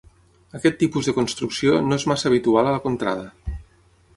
Aquest tipus de construcció no és massa habitual a la contrada.